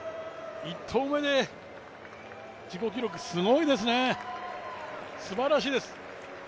１投目で自己記録、すごいですね、すばらしいです。